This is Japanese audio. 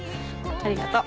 ありがとう。